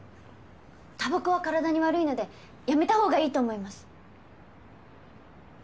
たばこは体に悪いのでやめた方がいいと思います。